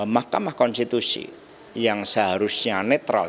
mahkamah konstitusi yang seharusnya netral